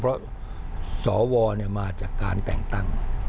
เพราะสวเนี่ยมาจากการแต่งตังค์